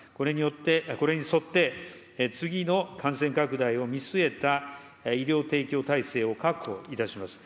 これに沿って、次の感染拡大を見据えた医療提供体制を確保いたします。